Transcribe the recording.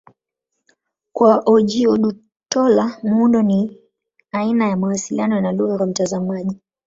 Kwa Ojih Odutola, muundo ni aina ya mawasiliano na lugha kwa mtazamaji.